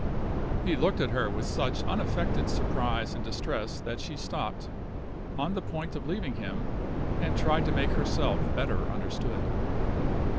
He looked at her with such unaffected surprise and distress that she stopped, on the point of leaving him, and tried to make herself better understood.